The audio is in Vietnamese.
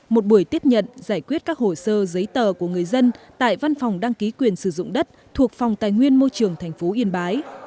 một buổi tiếp nhận giải quyết các hồ sơ giấy tờ của người dân tại văn phòng đăng ký quyền sử dụng đất thuộc phòng tài nguyên môi trường tp yên bái